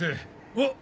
あっ！